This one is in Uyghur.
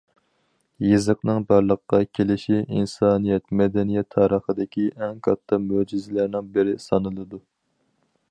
يېزىقنىڭ بارلىققا كېلىشى ئىنسانىيەت مەدەنىيەت تارىخىدىكى ئەڭ كاتتا مۆجىزىلەرنىڭ بىرى سانىلىدۇ.